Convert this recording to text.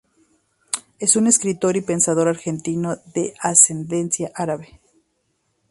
Es un escritor y pensador argentino de ascendencia árabe.